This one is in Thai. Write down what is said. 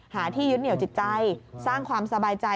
ที่ยึดเหนียวจิตใจสร้างความสบายใจ